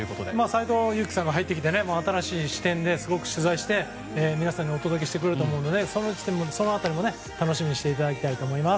斎藤佑樹さんも入って新しい視点で皆さんにお届けしてくれると思うのでその辺りも楽しみにしていただきたいと思います。